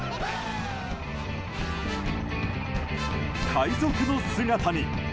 海賊の姿に！